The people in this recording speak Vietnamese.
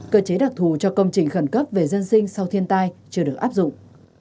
cơ chế đặc thù cho công trình khẩn cấp về dân sinh sau thiên tai chưa được áp dụng